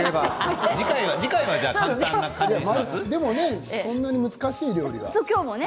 でもそんなに難しい料理はね。